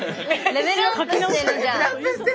レベルアップしてるじゃん！